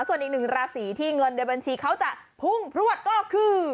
ส่วนอีกหนึ่งราศีที่เงินในบัญชีเขาจะพุ่งพลวดก็คือ